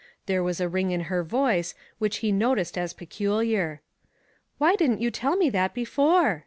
There was a ring in her voice, which he noticed as peculiar. "Why didn't you tell me that before